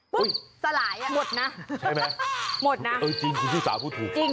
ปุ๊บสลายหมดนะหมดนะจริงคุณผู้ชมพูดถูก